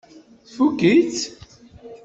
Tfukk-itt?